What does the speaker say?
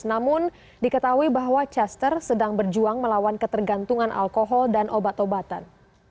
namun diketahui bahwa chester sedang berjuang melawan ketergantungan alkohol dan obat obatan